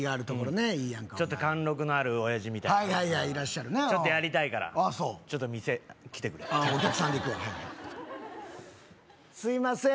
ねいいやんかちょっと貫禄のある親父みたいないらっしゃるなちょっとやりたいからちょっと店来てくれお客さんで行くわすいません